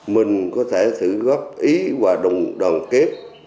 mình có thể thử góp ý và đồng đoàn kết